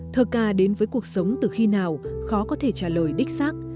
thơ ca đến với cuộc sống từ khi nào khó có thể trả lời đích xác